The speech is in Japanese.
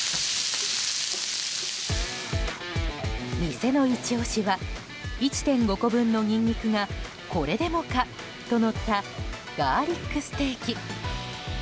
店のイチ押しは１．５個分のニンニクがこれでもかとのったガーリックステーキ。